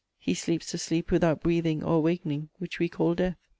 He sleeps the sleep without breathing or awakening which we call death.